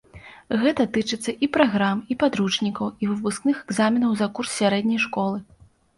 Гэта тычыцца і праграм, і падручнікаў, і выпускных экзаменаў за курс сярэдняй школы.